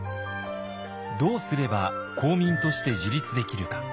どうすれば公民として自立できるか。